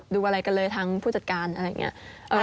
ดูอะไรกันเลยทางผู้จัดการอะไรอย่างนี้